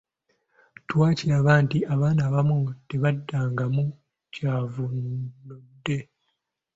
Twakiraba nti abaana abamu tebaddangamu kyavvuunudde.